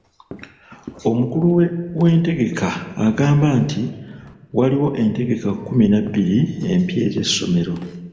Omukulu w'entegeka agamba nti waliwo entegeka kkumi na bbiri empya ez'essomero.